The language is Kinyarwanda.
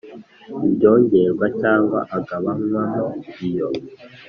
Ibyongerwa cyangwa agabanywamo iyo